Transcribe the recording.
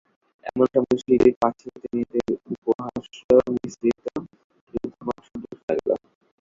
এমন সময় সিঁড়ির কাছ হইতে মেয়েদের উচ্চহাস্যমিশ্রিত দ্রুত পদশব্দ শুনা গেল।